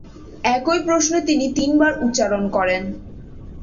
একই প্রশ্ন তিনি তিনবার উচ্চারন করেন।